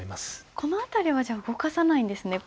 この辺りは動かさないんですね。